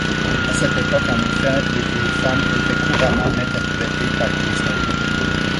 À cette époque, en effet, les vieilles femmes étaient couramment interprétées par des hommes.